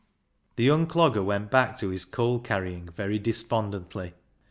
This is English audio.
The young dogger went back to his coal carrying very despondently.